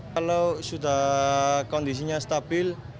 kalau sudah kondisinya stabil